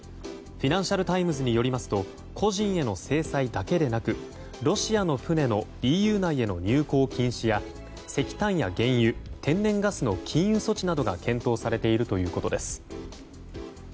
フィナンシャル・タイムズによりますと個人への制裁だけでなくロシアの船の、ＥＵ内の入港禁止や石炭や原油、天然ガスの禁輸措置などが検討されているということです。